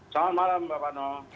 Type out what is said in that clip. selamat malam mbak pano